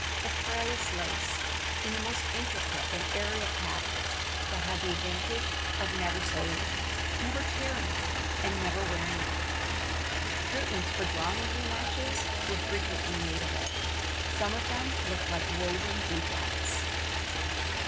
The frailest lace, in the most intricate and aerial patterns, that had the advantage of never soiling, never tearing, and never wearing out. Curtains for drawing room arches were frequently made of it. Some of them looked like woven dew drops.